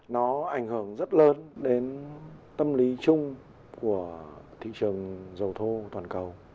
nó ảnh hưởng rất lớn đến tâm lý chung của thị trường dầu thô toàn cầu